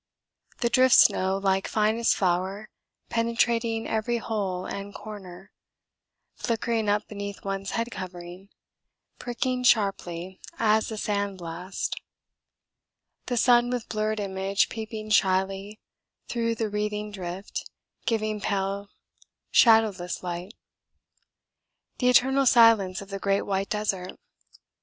The drift snow like finest flour penetrating every hole and corner flickering up beneath one's head covering, pricking sharply as a sand blast. The sun with blurred image peeping shyly through the wreathing drift giving pale shadowless light. The eternal silence of the great white desert.